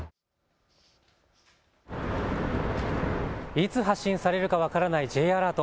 いつ発信されるか分からないＪアラート。